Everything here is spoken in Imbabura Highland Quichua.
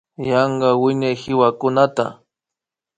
Yanka wiñay kiwakunata